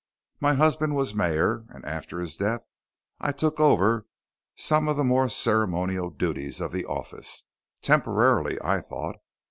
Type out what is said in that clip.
My husband was mayor, and after his death, I took over some of the more ceremonial duties of the office temporarily, I thought.